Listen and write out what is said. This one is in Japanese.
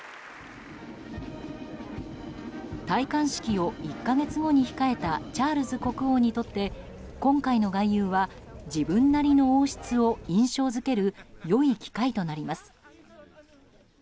戴冠式を１か月後に控えたチャールズ国王にとって今回の外遊は自分なりの王室を印象付ける良い機会となります。